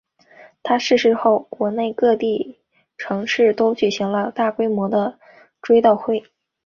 他逝世后国内各地城市都举行了大规模的追悼会。